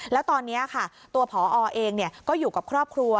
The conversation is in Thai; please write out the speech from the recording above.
แล้วตอนนี้ค่ะตัวผอเองก็อยู่กับครอบครัว